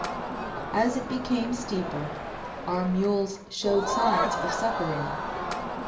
As it became steeper our mules showed signs of suffering.